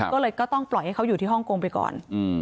ก็เลยก็ต้องปล่อยให้เขาอยู่ที่ฮ่องกงไปก่อน